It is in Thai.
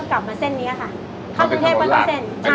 ใครก็ต้องที่ละที่ก็ขาย